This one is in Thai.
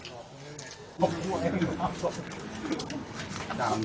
ฉันมีแผงป้อง